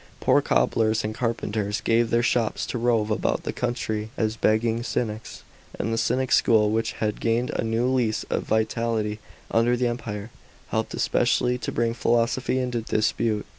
Poor cobblers and carpenters kave their shops to rove about the country as begging Cynics, and the Cynic school, which had gained a new lease of vitality under the Empire, helped especially to bring philosophy into disiepute.